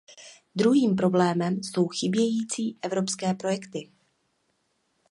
Druhým problémem jsou chybějící evropské projekty.